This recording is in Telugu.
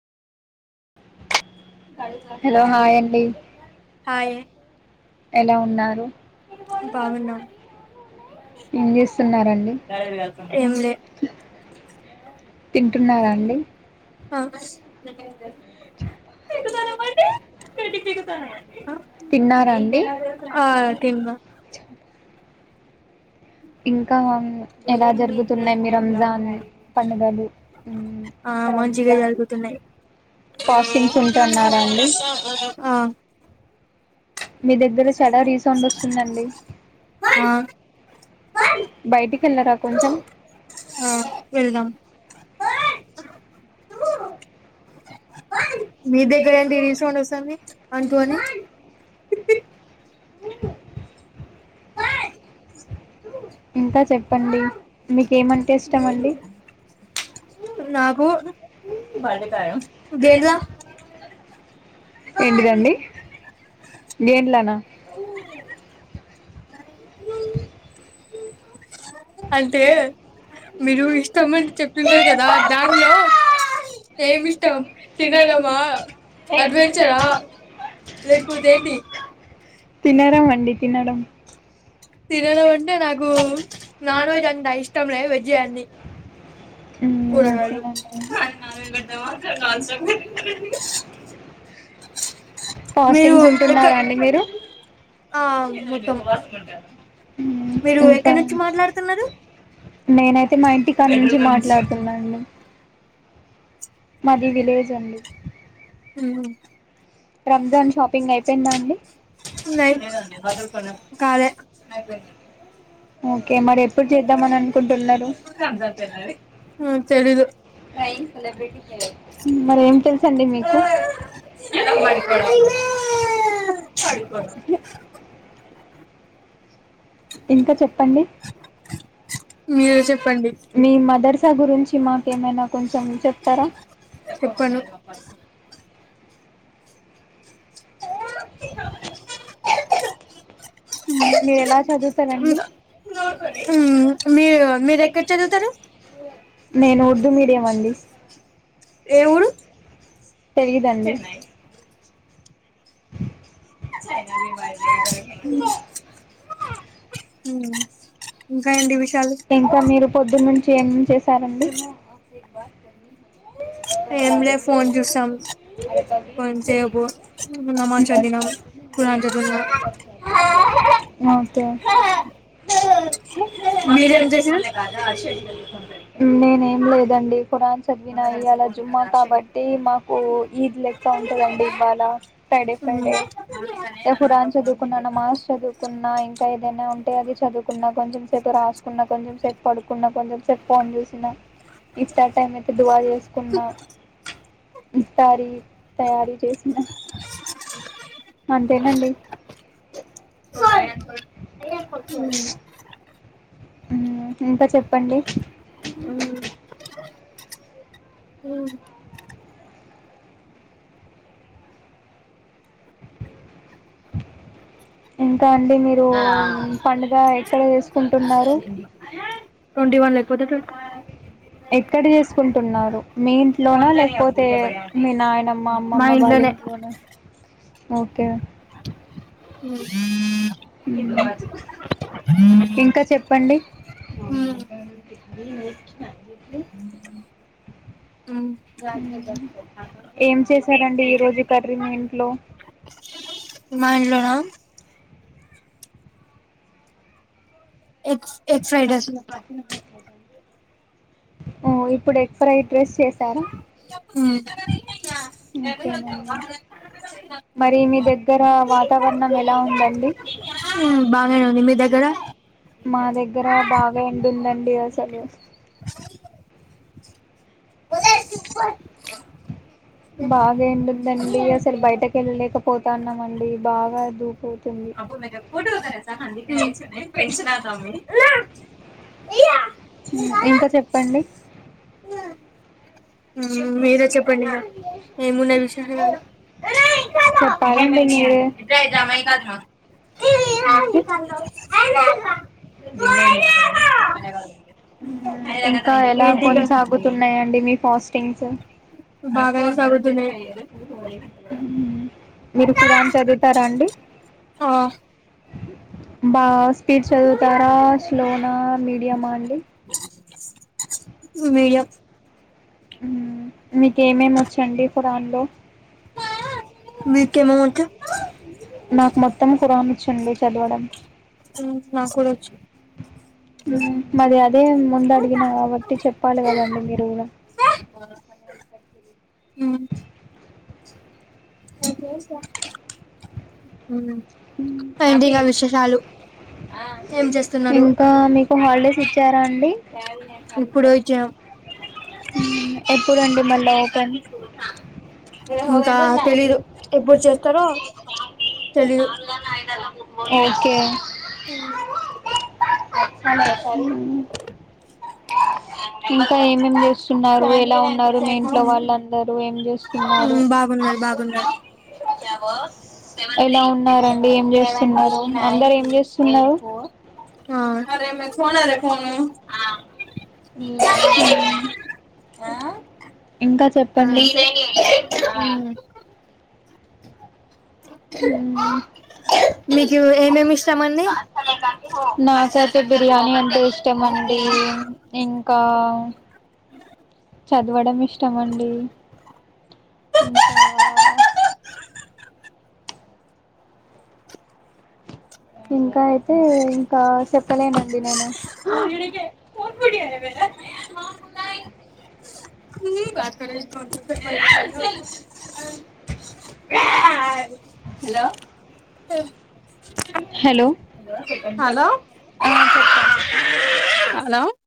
హలో హాయ్ అండి. ఎలా ఉన్నారు. ఏం చేస్తున్నరండి. తింటున్నారండి తిన్నారా అండి. తిన్నా ఇంకా ఆహ్మ్ ఎలా జరుగుతున్నాయి. మీ రంజాన్ పడుగలు ఉహ్మ్! రంజాన్ ఫాస్టింగ్స్ ఉంటున్నారా అండి. మీ దగ్గర చెడ రీసౌండ్ వస్తుందండి. బయటికి వెళ్ళరాా కొంచెం. మీ దగ్గర ఏంటి రీసౌండ్ వస్తాంది. వన్ టూ అని ఇంకా చెప్పండి. నాకు భండకాయా దేని లో ఏంటిదండి. గేన్లానా తినడం అండి తినడం తినదు అంటే నాకు నాన్ వెజ్ అంత ఇష్టమే వెజ్జే అద మ్మ్ ఫాస్టింగ్స్ ఉంటున్నారాండి మీరు నేనైతే మా ఇంటికాని నుంచి మాట్లాడుతున్నాండి మాది విలేజ్ అండి ఉమ్ లైక్ కాలే ఓకే మరి ఎప్పుడు చేద్దామని అనుకుంటున్నారు మరి ఏం తెలుసండి మీకు మడుకో పకో ఇంకా చెప్పండి మీ మదర్సా గురించి మాకేమైనా కొంచెం చెప్తారా మీ మీరు ఎక్కడ చదువుతారు ఏ ఊరు ఇంకా మీరు పొద్దున నుంచి ఏ చేస్తు టారండి ఓకే ఉమ్ నేను ఏం లేదండి కురాన్ చదివినాయి అలా జుమ్మా కాబట్టి మాకు ఈద్ లెక్క ఉంటదండి ఇవ్వాళ ఫ్రైడే ఫ్రైడే ఖురాన్ చదువుకున్నా నమాజ్ చదువుకున్నా ఇంకా ఏదైనా ఉ ది చదువుకున్నా కొంచం సేపు రాసుకున్న కొంచెం సేపు పడుకున్న కొంచెం సేపు ఫోన్ చూసిన ఇత టైం అయితే దువా చేసుకున్నా ఇ తారి తయారీ చేసిన అంతేనండి ఇంకా చెప్పండి ఉమ్ ఇంకా అండి మీరు పండుగ ఎక్కడ చేసుకుంటున్నారు ఎక్కడ చేసుకుంటున్నారు మీ ఇంట్లోనా లేకపోతే మీ నాయనమ్మ అమ్మమ్మ వాళ్ళ ఇంట్లోనా ఓకే అ ఇంకా చెప్పండి నకి మానలో నా ఎ ఎగ్ ఫ్రైడ్ రాైస్ ఓ ఇ ఇప్పుడు ఎక్ ఫ్రైడ్ రైస్ చేశారా ఉమ్ కేనండి మరి మీ దగ్గర వాతావరణం ఎలా ఉందండి దగడ మా దగ్గర బాగా ఎడుందండి అసలు బాగాేంటందండి అసలు బయటకి వెళ్ళలేకపోతాన్నామండి బాగా దూకతుంది పెష రా ఇంకా చెప్పండి మీరే చెప్పండి ఏమున్నా విష చెప్పాలండి మీరే ఇంకా ఎలా కొనసాగుతున్నాయండి మీ పస్ తినసార్ [unintelligible] మీరు ఖురాన్ చదువుతారా అండి బా స్పీడ్ చదువుతారా స్లోనా మీడియ అండి మీడియం మీక ఏమేమి వచ్చండి ఫురాన్ లో నాకు మొత్తం ఖురాన్ చుండి చదవడం మాకు కూడా వచ్చు మది అదే ముందు అడిగినా కాబట్టి చెప్పాలి కదండి మీరు కూడా హ [unintelligible] ఉమ్ ఇంకా మీకు హాలిడేస్ ఇచ్చారా అండి ఎప్పుడుండి మళ్ళా ఓపెన్ తెలీదు ఎప్పుడు చేస్తారో తెలీదు ఓకే ఇంకా ఏమేం చేస్తున్నారు ఎలా ఉన్నారు మీ ఇంట్లో వాళ్ళందరూ ఏం చేస్తున్నారు ఎలా ఉన్నారం అమె ఫోన ఫోన్ [unintelligible] అ నాకైతే బిర్యానీ అంతే ఇష్టం అండి ఇంకా చదవడం ఇష్టమండి ఇంకా ఇంక్ ఇంకా అయితే ఇంకా చెప్పలేనండి నేను హలో హలో హలో చెప్పండి హలో హలో